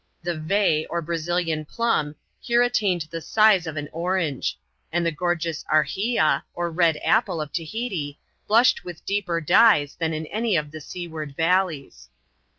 The "Ve," or Brazilian plum, here attained the size of an orange ; and the gorgeous "Arheea," or red apple of Tahiti, blushed with deeper dyes than in any of the seaward valleys.